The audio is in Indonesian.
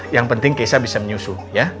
yang penting keisha bisa menyusu ya